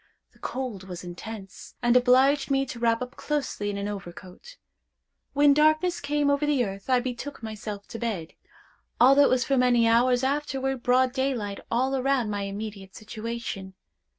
The cold was intense, and obliged me to wrap up closely in an overcoat. When darkness came over the earth, I betook myself to bed, although it was for many hours afterward broad daylight all around my immediate situation.